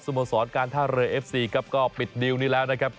โมสรการท่าเรือเอฟซีครับก็ปิดดิวนี้แล้วนะครับ